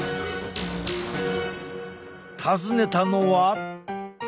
訪ねたのは。